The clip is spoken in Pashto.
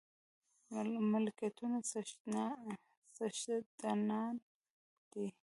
ملکيتونو څښتنان نه دي.